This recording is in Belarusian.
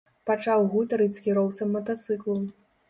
Пачаў гутарыць з кіроўцам матацыклу.